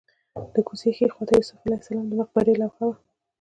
د کوڅې ښي خوا ته د یوسف علیه السلام د مقبرې لوحه وه.